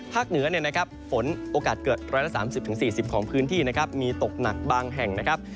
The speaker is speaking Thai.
เหนือฝนโอกาสเกิด๑๓๐๔๐ของพื้นที่นะครับมีตกหนักบางแห่งนะครับ